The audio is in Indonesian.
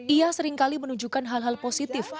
ia seringkali menunjukkan hal hal positif